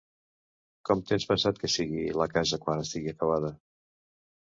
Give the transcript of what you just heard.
Com tens pensat que sigui la casa quan estigui acabada?